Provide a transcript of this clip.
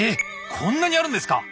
こんなにあるんですか？